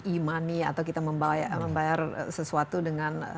e money atau kita membayar sesuatu dengan